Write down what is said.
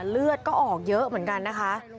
เลือดก็ออกเยอะเหมือนกันนะคะ